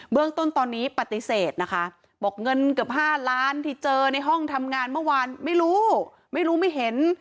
เรื่องต้นตอนนี้ปฏิเสธนะคะบอกเงินเกือบ๕ล้านที่เจอในห้องทำงานเมื่อวานไม่รู้ไม่รู้ไม่เห็น